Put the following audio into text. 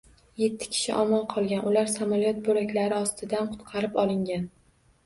Yetti kishi omon qolgan, ular samolyot bo‘laklari ostidan qutqarib olingan